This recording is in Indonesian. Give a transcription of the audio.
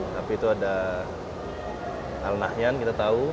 tapi itu ada al nahyan kita tahu